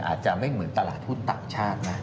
อาจจะไม่เหมือนตลาดทุนต่างชาตินะ